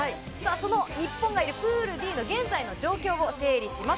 日本がいるプールＤの現在の状況を整理します。